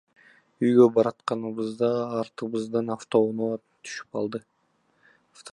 Үйгө баратканыбызда артыбыздан автоунаа түшүп алды.